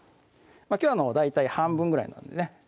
きょうは大体半分ぐらいなんでね